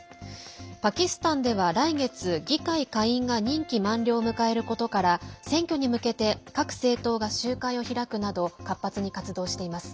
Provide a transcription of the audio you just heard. パキスタンでは来月、議会下院が任期満了を迎えることから選挙に向けて各政党が集会を開くなど活発に活動しています。